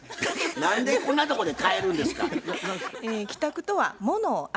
何でこんなとこで帰るんですか。